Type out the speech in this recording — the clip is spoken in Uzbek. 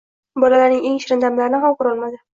Bolalarini eng shirin damlarini ham koʻrolmadi